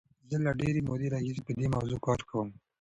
زه له ډېرې مودې راهیسې په دې موضوع کار کوم.